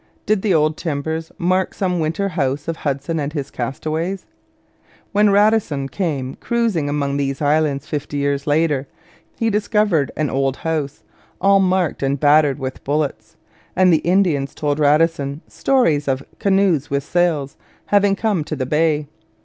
Did the old timbers mark some winter house of Hudson and his castaways? When Radisson came cruising among these islands fifty years later, he discovered an old house 'all marked and battered with bullets'; and the Indians told Radisson stories of 'canoes with sails' having come to the Bay.